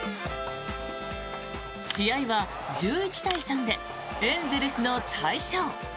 試合は１１対３でエンゼルスの大勝。